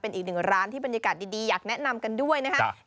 เป็นอีกหนึ่งร้านที่บรรยากาศดีอยากแนะนำกันด้วยนะครับ